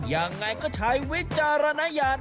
ยังไงก็ใช้วิจารณญาณ